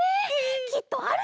きっとあるよ！